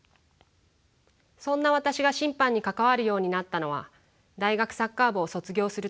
そんな私が審判に関わるようになったのは大学サッカー部を卒業する時。